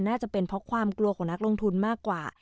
น่าจะเป็นเพราะความกลัวของนักลงทุนมากกว่า